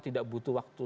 tidak butuh waktu